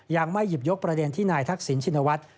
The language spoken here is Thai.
ยังไม่หยิบยกประเด็นที่นายทักษิณชินวัฒน์